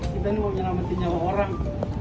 kita ini mau menyelamatkan nyawa orang